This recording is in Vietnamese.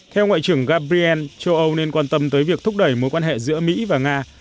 theo ngoại trưởng gabriel châu âu nên quan tâm tới việc thúc đẩy mối quan hệ giữa mỹ và nga